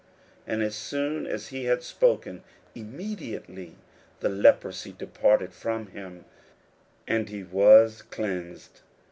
41:001:042 And as soon as he had spoken, immediately the leprosy departed from him, and he was cleansed.